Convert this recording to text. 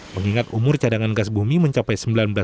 mengingat umur cadangan gas bumi mencapai sembilan puluh